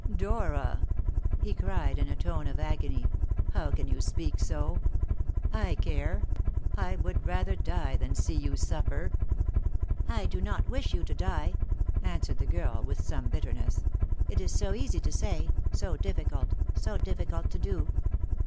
"Dora!" he cried in a tone of agony, "how can you speak so? I care! I would rather die than see you suffer." "I do not wish you to die," answered the girl with some bitterness; "it is so easy to say so so difficult, so difficult to do.